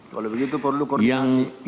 kalau begitu perlu koordinasi